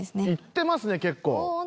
行ってますね結構。